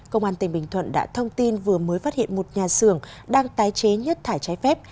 công an tỉnh bình thuận đã thông tin vừa mới phát hiện một nhà xưởng đang tái chế nhất thải trái phép